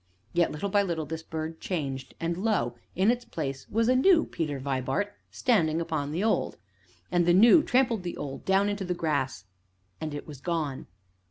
Yet, little by little, this bird changed, and lo! in its place was a new Peter Vibart standing upon the old; and the New trampled the Old down into the grass, and it was gone.